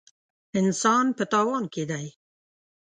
انسان په تاوان کې دی.